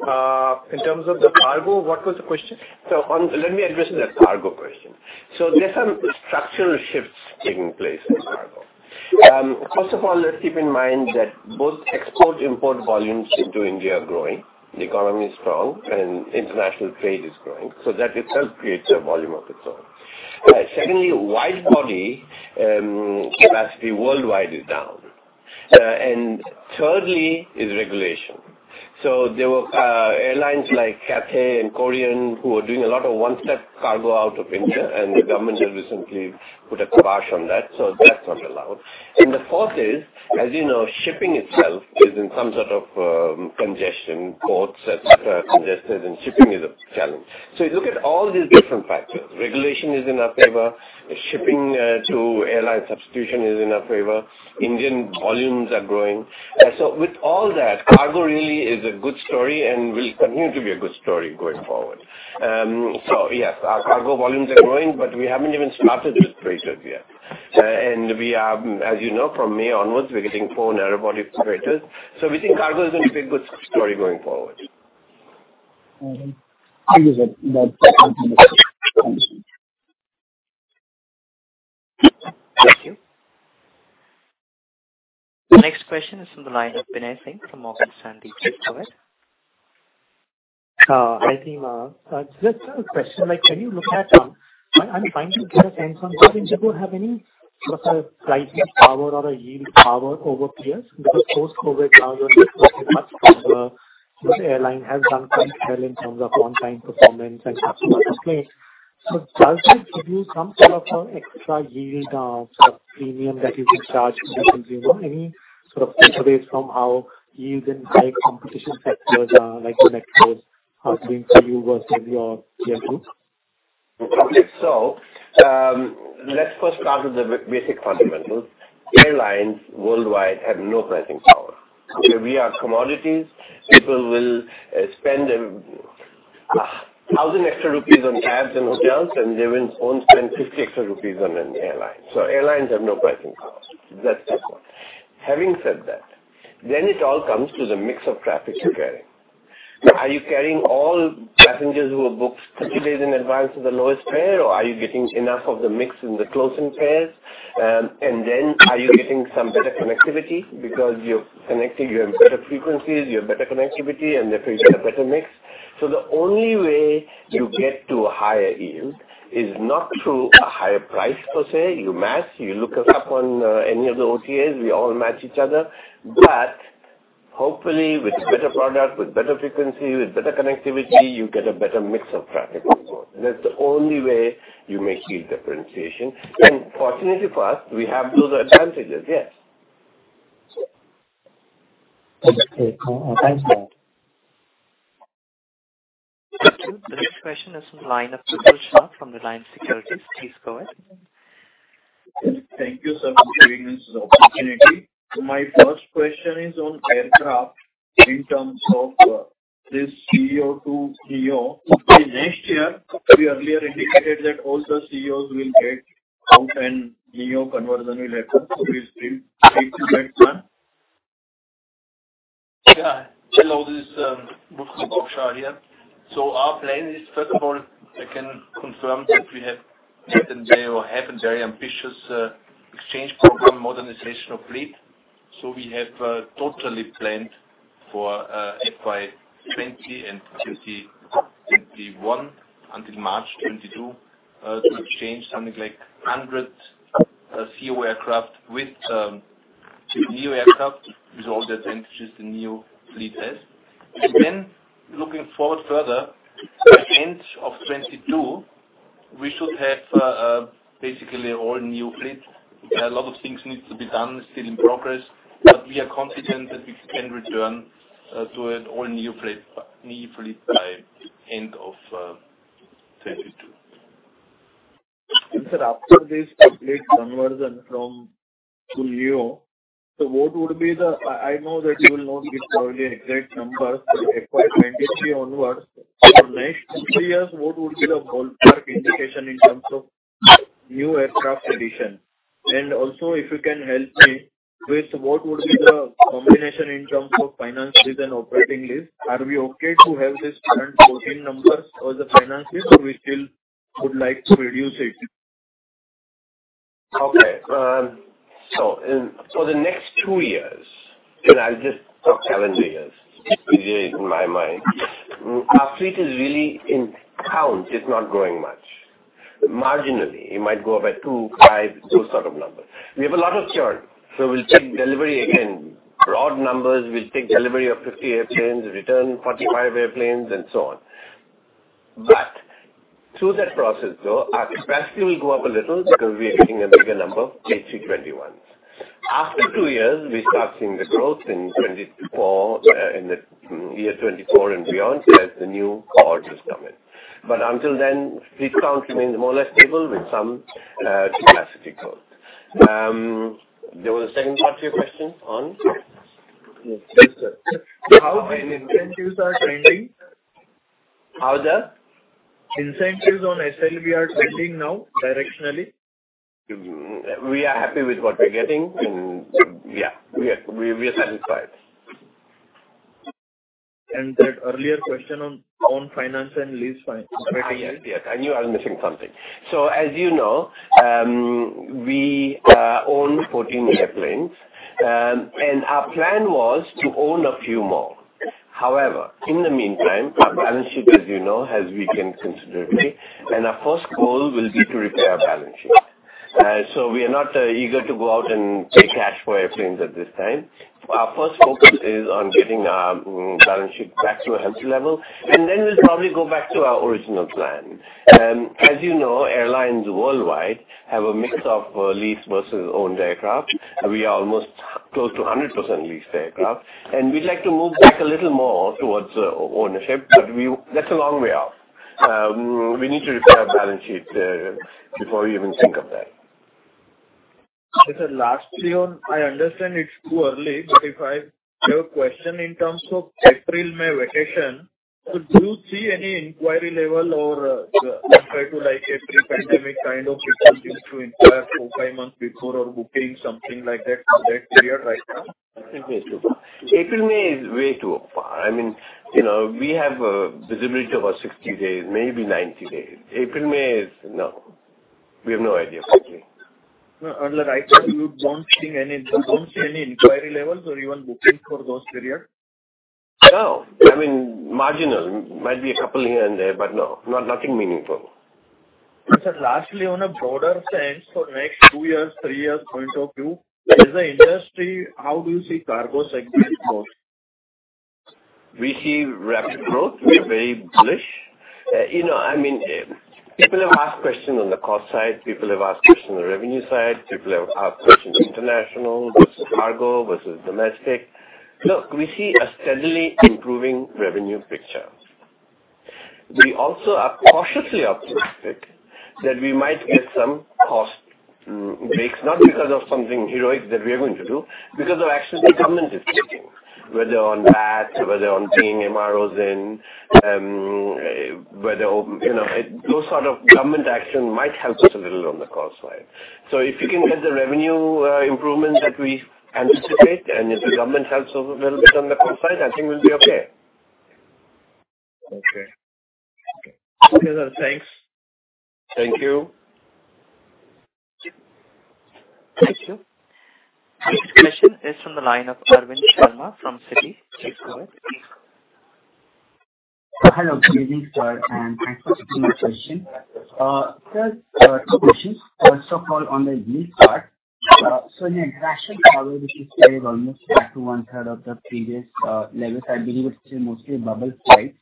In terms of the cargo, what was the question? Let me address the cargo question. There are structural shifts taking place in cargo. First of all, let's keep in mind that both export-import volumes into India are growing. The economy is strong and international trade is growing, so that itself creates a volume of its own. Secondly, wide-body capacity worldwide is down. Thirdly is regulation. There were airlines like Cathay and Korean who were doing a lot of one-step cargo out of India, and the government has recently put a kibosh on that, so that's not allowed. The fourth is, as you know, shipping itself is in some sort of congestion. Ports, et cetera, are congested, and shipping is a challenge. You look at all these different factors. Regulation is in our favor. Shipping to airline substitution is in our favor. Indian volumes are growing. With all that, cargo really is a good story and will continue to be a good story going forward. Yes, our cargo volumes are growing, but we haven't even started the operators yet. We are, as you know, from May onwards, we're getting 4 narrow-body operators. We think cargo is gonna be a good story going forward. Mm-hmm. I'll leave it. That concludes my questions. Thank you. Next question is from the line of Binay Singh from Morgan Stanley. Please go ahead. Hi, team. Just a question, like, I'm trying to get a sense on IndiGo, have any sort of pricing power or a yield power over peers? Because post-COVID cargo has gotten much stronger. This airline has done quite well in terms of on-time performance and customer complaints. Does it give you some sort of extra yield sort of premium that you can charge to the consumer? Any sort of takeaways from how yield in high competition sectors, like the networks are doing for you versus your peer group? Okay. Let's first start with the basic fundamentals. Airlines worldwide have no pricing power. We are commodities. People will spend 1,000 rupees extra on cabs and hotels, and they will only spend 50 rupees extra on an airline. Airlines have no pricing power. That's just one. Having said that, it all comes to the mix of traffic you're carrying. Are you carrying all passengers who have booked 30 days in advance with the lowest fare, or are you getting enough of the mix in the closing fares? Are you getting some better connectivity because you're connecting, you have better frequencies, you have better connectivity, and therefore you get a better mix. The only way you get to a higher yield is not through a higher price per se. You match, you look us up on any of the OTAs, we all match each other. Hopefully, with better product, with better frequency, with better connectivity, you get a better mix of traffic also. That's the only way you may see differentiation. Fortunately for us, we have those advantages. Yes. Okay. Thanks for that. Thank you. The next question is from the line of Mr. Bashar from Nirmal Bang Securities. Please go ahead. Thank you, sir, for giving us this opportunity. My first question is on aircraft in terms of this ceo to neo. By next year, you earlier indicated that all the ceos will get out, and ceo conversion will happen. Is still 80.1? Hello, this is Prock-Schauer here. Our plan is, first of all, I can confirm that we have a very ambitious exchange program, modernization of fleet. We have totally planned for FY 2020 and 2021 until March 2022 to exchange something like 100 CEO aircraft with new aircraft with all the advantages the new fleet has. Looking forward further, end of 2022, we should have basically all new fleet. A lot of things needs to be done, still in progress, but we are confident that we can return to an all new fleet by end of 2022. Sir, after this complete conversion from ceo to neo, I know that you will not give probably exact numbers for FY 2023 onwards. For next two years, what would be the ballpark indication in terms of new aircraft addition? Also, if you can help me with what would be the combination in terms of finance and operating lease. Are we okay to have this current 14 numbers or the finance, or we still would like to reduce it? Okay. So in for the next two years, and I'll just talk calendar years, usually in my mind, our fleet is really in count. It's not growing much. Marginally, it might go up by 2, 5, those sort of numbers. We have a lot of churn, so we'll take delivery again. Broad numbers, we'll take delivery of 50 airplanes, return 45 airplanes, and so on. But through that process, though, our capacity will go up a little because we are taking a bigger number of A321s. After two years, we start seeing the growth in 2024, in the year 2024 and beyond, as the new orders come in. But until then, fleet count remains more or less stable with some capacity growth. There was a second part to your question on? Yes, sir. How incentives are trending? How the? Incentives on SLB are trending now directionally? We are happy with what we're getting and yeah, we are satisfied. That earlier question on own finance and lease finance. Yes. Yes. I knew I was missing something. As you know, we own 14 airplanes. Our plan was to own a few more. However, in the meantime, our balance sheet, as you know, has weakened considerably, and our first goal will be to repair our balance sheet. We are not eager to go out and pay cash for airplanes at this time. Our first focus is on getting our balance sheet back to a healthy level, and then we'll probably go back to our original plan. As you know, airlines worldwide have a mix of leased versus owned aircraft. We are almost close to 100% leased aircraft, and we'd like to move back a little more towards ownership. That's a long way off. We need to repair our balance sheet before we even think of that. Okay, sir. Lastly on, I understand it's too early, but if I have a question in terms of April, May vacation, do you see any inquiry level or the, let's say to like April, pandemic kind of people used to inquire 4, 5 months before or booking something like that for that period right now? April, May is way too far. I mean, you know, we have visibility of about 60 days, maybe 90 days. April, May is no. We have no idea, frankly. No. Like right now, you don't see any inquiry levels or even booking for those period? No. I mean, marginal. Might be a couple here and there, but no, not nothing meaningful. Sir, lastly, on a broader sense, for next two years, three years point of view, as a industry, how do you see cargo segment grow? We see rapid growth. We are very bullish. You know, I mean, people have asked questions on the cost side. People have asked questions on the revenue side. People have asked questions international versus cargo versus domestic. Look, we see a steadily improving revenue picture. We also are cautiously optimistic that we might get some cost breaks, not because of something heroic that we are going to do because of actions the government is taking, whether on VAT, whether on bringing MROs in. Those sort of government action might help us a little on the cost side. If you can get the revenue improvements that we anticipate, and if the government helps a little bit on the cost side, I think we'll be okay. Okay. Okay, sir. Thanks. Thank you. Thank you. Next question is from the line of Arvind Sharma from Citi. Please go ahead. Hello. Good evening, sir, and thanks for taking my question. Sir, two questions. First of all, on the yield part. So in international travel, which is still almost back to one-third of the previous levels, I believe it's still mostly bubble flights.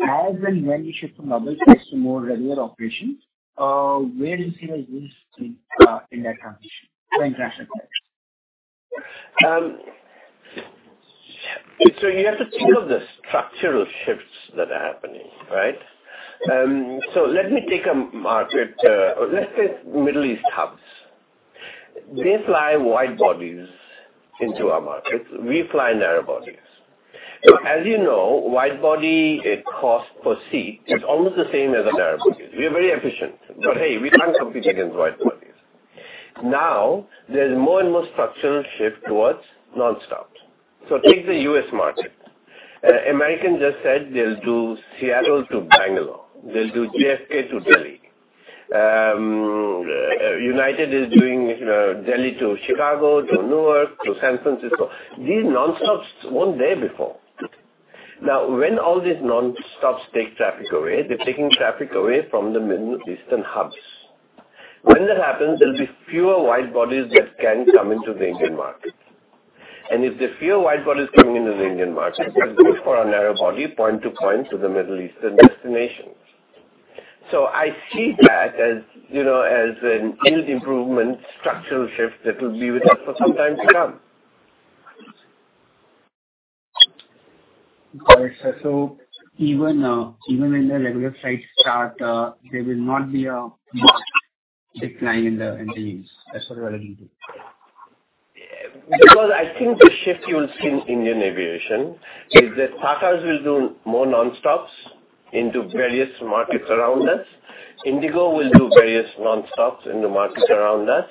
As and when you shift from bubble flights to more regular operations, where do you see the yields in that transition for international flights? You have to think of the structural shifts that are happening, right? Let me take a market. Let's take Middle East hubs. They fly wide bodies into our markets. We fly narrow bodies. As you know, wide body cost per seat is almost the same as a narrow body. We are very efficient. Hey, we can't compete against wide bodies. There's more and more structural shift towards non-stop. Take the U.S. market. Americans just said they'll do Seattle to Bangalore. They'll do JFK to Delhi. United is doing Delhi to Chicago, to Newark, to San Francisco. These non-stops weren't there before. Now, when all these non-stops take traffic away, they're taking traffic away from the Middle Eastern hubs. When that happens, there'll be fewer wide bodies that can come into the Indian market. If there are fewer wide bodies coming into the Indian market, that's good for our narrow body point to point to the Middle Eastern destinations. I see that as, you know, as an yield improvement structural shift that will be with us for some time to come. Got it, sir. Even when the regular flights start, there will not be a marked decline in the yields. That's what you are alluding to. Because I think the shift you will see in Indian aviation is that Tatas will do more non-stops into various markets around us. IndiGo will do various non-stops in the markets around us.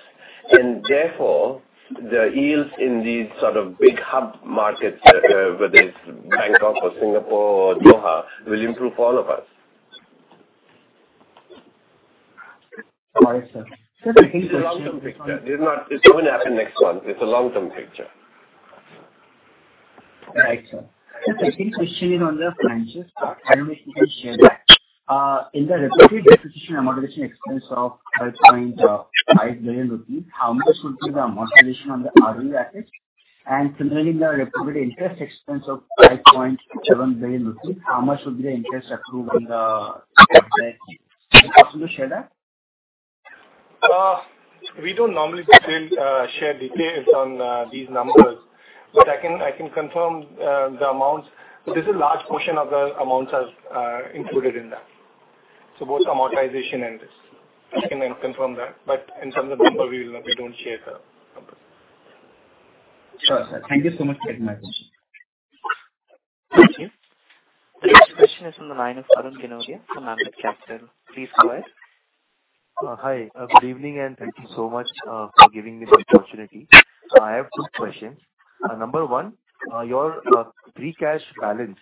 Therefore, the yields in these sort of big hub markets, whether it's Bangkok or Singapore or Doha, will improve all of us. All right, sir. It's a long-term picture. It's not gonna happen next month. It's a long-term picture. Right, sir. Second question is on the finance part. I don't know if you can share that. In the reported depreciation amortization expense of 5.5 billion rupees, how much would be the amortization on the ROU assets? And similarly, the reported interest expense of 5.7 billion rupees, how much would be interest accrued on the assets? Is it possible to share that? We don't normally share details on these numbers, but I can confirm the amounts. There's a large portion of the amounts are included in that. Both amortization and this. I can confirm that. In terms of number, we don't share the numbers. Sure, sir. Thank you so much for taking my questions. Thank you. The next question is from the line of Arun Kenodia from Ambit Capital. Please go ahead. Hi. Good evening, and thank you so much for giving me this opportunity. I have two questions. Number one, your free cash balance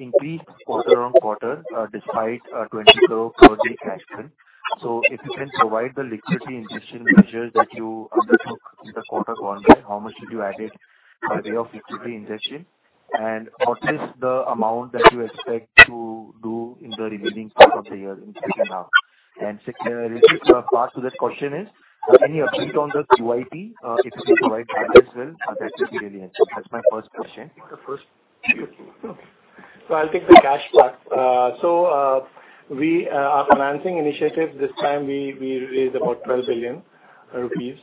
increased quarter-on-quarter, despite INR 20 crore per day cash burn. If you can provide the liquidity injection measures that you undertook in the quarter gone by, how much did you added by way of liquidity injection? And what is the amount that you expect to do in the remaining part of the year in second half? And second, related part to that question is, any update on the QIP? If you can provide that as well, that will be really helpful. That's my first question. I'll take the cash part. Our financing initiative this time we raised about 12 billion rupees.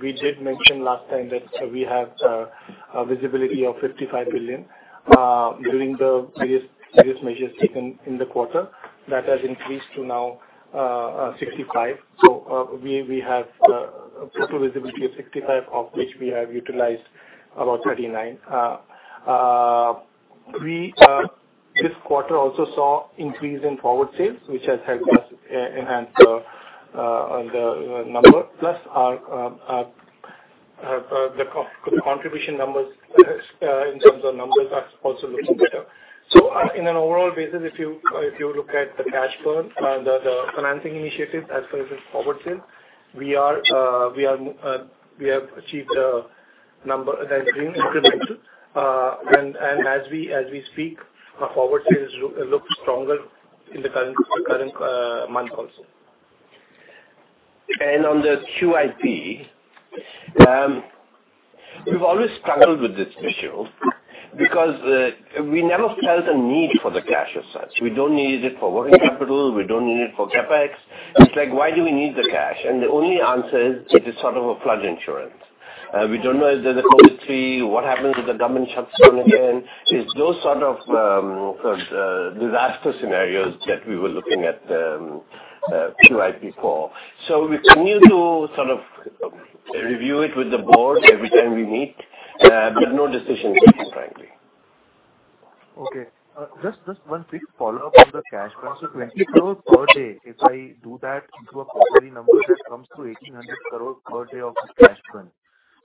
We did mention last time that we had a visibility of 55 billion during the various measures taken in the quarter. That has increased to now 65 billion. We have total visibility of 65 billion, of which we have utilized about 39 billion. This quarter also saw increase in forward sales, which has helped us enhance the number. Plus our co-contribution numbers in terms of numbers are also looking better. In an overall basis, if you look at the cash burn, the financing initiative as well as the forward sales, we have achieved a number that is being incremental. As we speak, our forward sales looks stronger in the current month also. On the QIP, we've always struggled with this issue because we never felt a need for the cash as such. We don't need it for working capital. We don't need it for CapEx. It's like why do we need the cash? The only answer is it is sort of a flood insurance. We don't know if there's a COVID three, what happens if the government shuts down again. It's those sort of disaster scenarios that we were looking at QIP for. We continue to sort of review it with the board every time we meet, but no decision taken frankly. Okay. Just one quick follow-up on the cash burn. Twenty crores per day, if I do that into a quarterly number, that comes to 1,800 crore per day of the cash burn.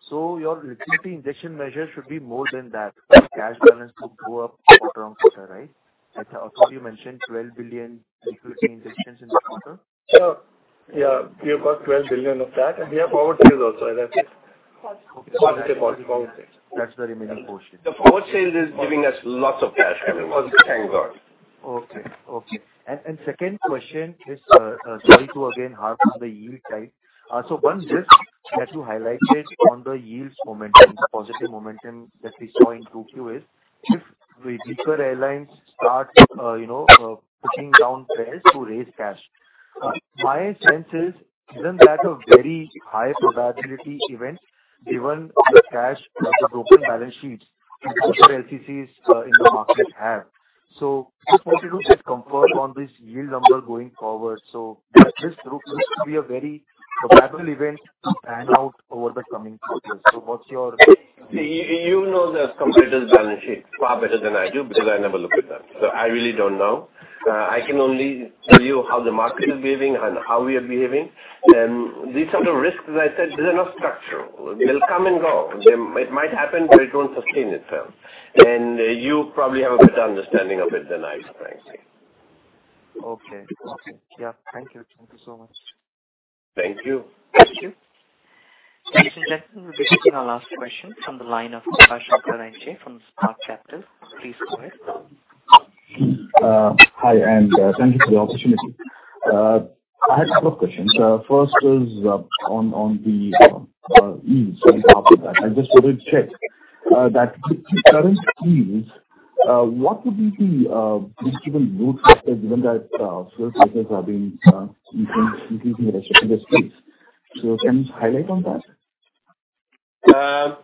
Your liquidity injection measure should be more than that for cash burn to go up quarter-on-quarter, right? I thought you mentioned 12 billion liquidity injections in the quarter. Sure. Yeah, we have got 12 billion of that, and we have forward sales also, as I said. Okay. Positive forward sales. That's the remaining portion. The forward sales is giving us lots of cash, everyone. Thank God. Second question is, sorry to again harp on the yield side. One risk that you highlighted on the yields momentum, the positive momentum that we saw in 2Q is if weaker airlines start pushing down fares to raise cash. My sense is isn't that a very high probability event given the cash crunch or the broken balance sheets most LCCs in the market have. Just wanted to get comfort on this yield number going forward. This looks to be a very probable event to pan out over the coming quarters. What's your- You know the competitors' balance sheets far better than I do because I never look at that. I really don't know. I can only tell you how the market is behaving and how we are behaving. These are the risks, as I said. These are not structural. They'll come and go. It might happen, but it won't sustain itself. You probably have a better understanding of it than I, frankly. Okay. Yeah. Thank you. Thank you so much. Thank you. Thank you. Ladies and gentlemen, this is our last question from the line of Krupashankar NJ from Spark Capital. Please go ahead. Hi, thank you for the opportunity. I have a couple of questions. First is on the yields and after that. I just wanted to check that with current yields, what would be the breakeven load factor given that fuel prices are being increasing in the sector space. Any highlight on that?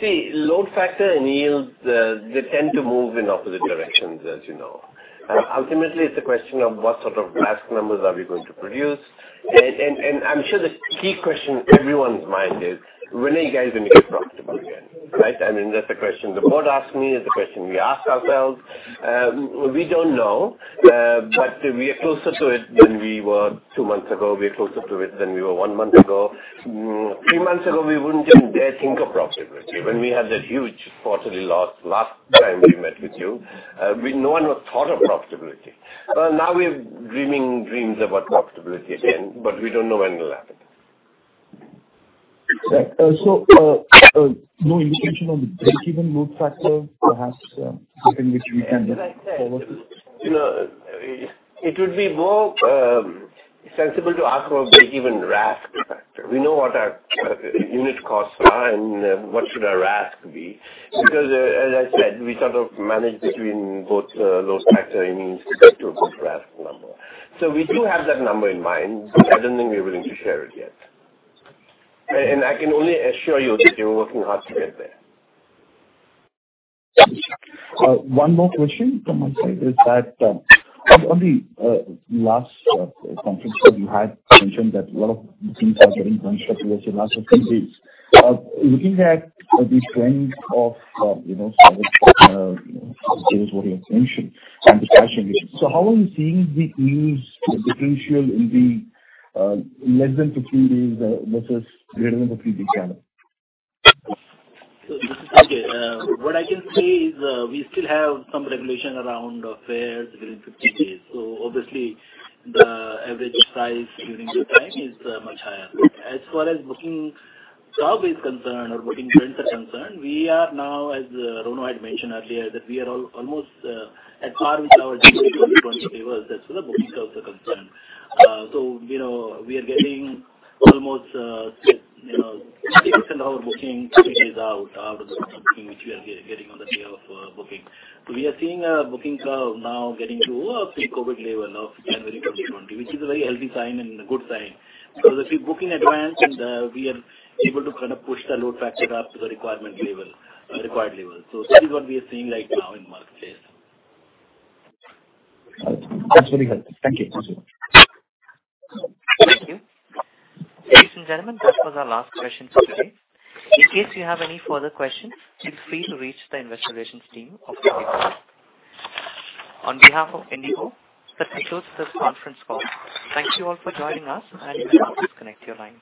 See, load factor and yields, they tend to move in opposite directions, as you know. Ultimately, it's a question of what sort of RASK numbers are we going to produce. I'm sure the key question on everyone's mind is, when are you guys gonna get profitable again, right? I mean, that's a question the board asks me. It's a question we ask ourselves. We don't know, but we are closer to it than we were two months ago. We are closer to it than we were one month ago. Three months ago, we wouldn't even dare think of profitability. When we had that huge quarterly loss last time we met with you, no one had thought of profitability. Now we're dreaming dreams about profitability again, but we don't know when it'll happen. Right. No indication on the breakeven load factor, perhaps, something which we can look forward to? You know, it would be more sensible to ask for a breakeven RASK factor. We know what our unit costs are and what should our RASK be. Because as I said, we sort of manage between both load factor and yields to get to a good RASK number. We do have that number in mind, but I don't think we're willing to share it yet. I can only assure you that we're working hard to get there. One more question from my side is that, on the last Conference Call you had mentioned that a lot of bookings are getting bunched up towards the last few days. Looking at the trend of, you know, what you have mentioned and the cash position. How are you seeing the yields differential in the less than 50 days versus greater than 50 day channel? This is Sanjay. What I can say is, we still have some regulation around fares within 50 days. Obviously the average size during that time is much higher. As far as booking curve is concerned or booking trends are concerned, we are now, as Rono had mentioned earlier, that we are almost at par with our January 2021 levels as far as the booking curve are concerned. You know, we are getting almost, you know, 6% of our booking which is out of the booking which we are getting on the day of booking. We are seeing a booking curve now getting to a pre-COVID level of January 2020, which is a very healthy sign and a good sign. If you book in advance, and we are able to kind of push the load factor up to the required level. That is what we are seeing right now in the marketplace. That's really helpful. Thank you. Thank you so much. Thank you. Ladies and gentlemen, this was our last question for today. In case you have any further questions, feel free to reach the investor relations team of IndiGo. On behalf of IndiGo, let me close this Conference Call. Thank you all for joining us, and you may now disconnect your lines.